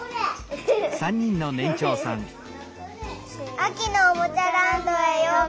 あきのおもちゃランドへようこそ！